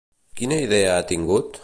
Quina idea ha tingut?